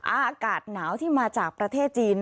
อากาศหนาวที่มาจากประเทศจีน